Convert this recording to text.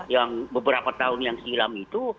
yang beberapa tahun yang silam itu